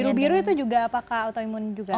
biru biru itu juga pakai autoimun juga